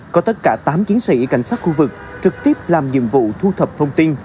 có tất cả tám chiến sĩ cảnh sát khu vực trực tiếp làm nhiệm vụ thu thập thông tin